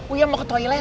oh ya mau ke toilet